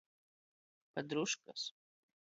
Padruškas.